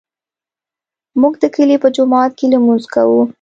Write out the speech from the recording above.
موږ د کلي په جومات کې لمونځ کوو